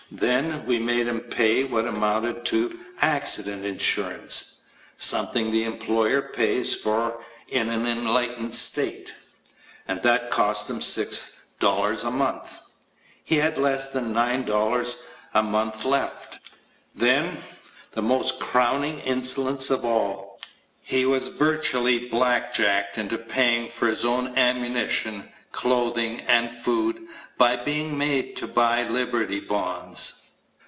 Then we made him pay what amounted to accident insurance something the employer pays for in an enlightened state and that cost him $6 a month. He had less than $9 a month left. Then, the most crowning insolence of all he was virtually blackjacked into paying for his own ammunition, clothing, and food by being made to buy Liberty Bonds.